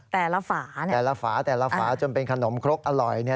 แต่ละฝาแต่ละฝาแต่ละฝาจนเป็นขนมคลกอร่อย